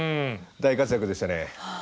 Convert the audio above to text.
大活躍でしたね。